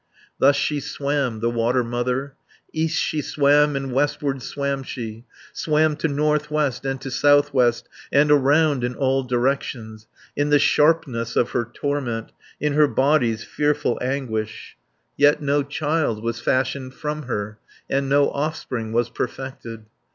Thus she swam, the Water Mother, East she swam, and westward swam she, Swam to north west and to south west, And around in all directions, In the sharpness of her torment, In her body's fearful anguish; Yet no child was fashioned from her, And no offspring was perfected.